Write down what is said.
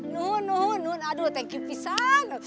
nuhun aduh thank you pisan